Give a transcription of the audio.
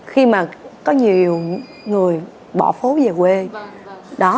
chắc chắn nó sẽ có